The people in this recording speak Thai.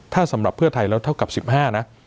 ถ้าสำหรับเพื่อไทยแล้วเท่ากับ๑๕นะ